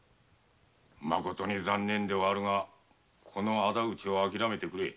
まことに残念ではあるがこの仇討ちはあきらめてくれ。